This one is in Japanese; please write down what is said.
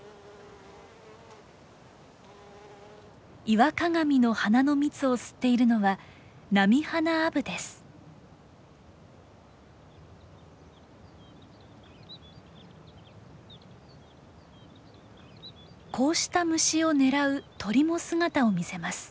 イワカガミの花の蜜を吸っているのはこうした虫を狙う鳥も姿を見せます。